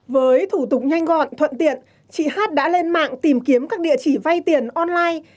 với thủ tục nhanh gọn thuận tiện chị hát đã lên mạng tìm kiếm các địa chỉ vay tiền online